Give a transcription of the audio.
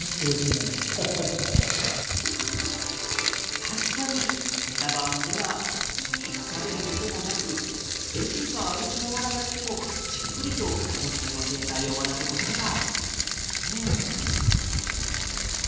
確かにメタバースでは虫に刺されることもなく、炎天下を歩き回らなくても、じっくりと昆虫の生態を学ぶことができますね。